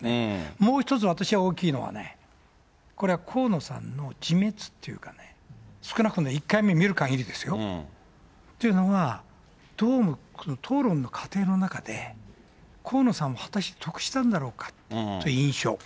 もう一つ、私は大きいのはね、これは河野さんの自滅っていうかね、少なくとも１回目見るかぎりですよ。というのがどうも討論の過程の中で、河野さんは果たして得したんだろうかという印象。